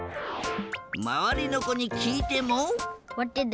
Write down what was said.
まわりのこにきいても。